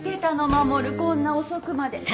守こんな遅くまで。